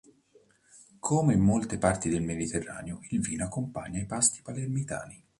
Come in molte parti del Mediterraneo, il vino accompagna i pasti palermitani.